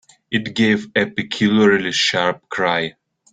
It gave a peculiarly sharp cry.